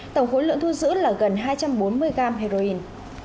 tổng khối lượng thu giữ là gần hai trăm bốn mươi gram heroin